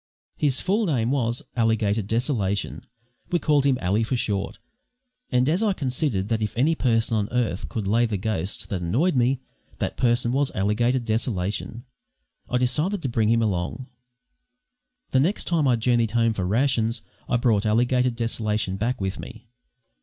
His full name was Alligator Desolation (we called him "Ally" for short): and, as I considered that if any person on earth could lay the ghost that annoyed me, that person was Alligator Desolation, I decided to bring him along. The next time I journeyed home for rations I brought Alligator Desolation back with me.